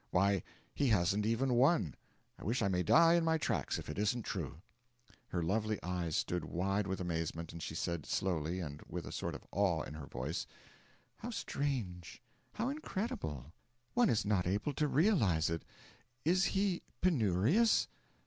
Why, he hasn't even one I wish I may die in my tracks if it isn't true.' Her lovely eyes stood wide with amazement, and she said, slowly, and with a sort of awe in her voice: 'How strange how incredible one is not able to realise it. Is he penurious?'